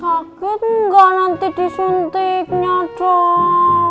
sakit gak nanti disuntiknya dong